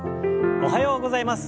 おはようございます。